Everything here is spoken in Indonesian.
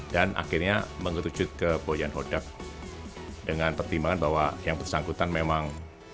dan akhirnya mengerucut ke boyan hodak dengan pertimbangan bahwa yang bersangkutan memang